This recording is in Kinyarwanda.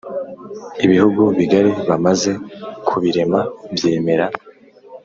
ibihugu bigari, bamaze kubirema byemera